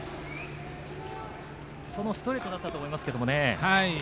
そのストレートだったと思いますけどね。